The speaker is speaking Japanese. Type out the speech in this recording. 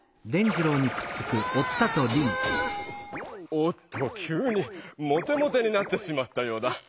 おっときゅうにモテモテになってしまったようだ。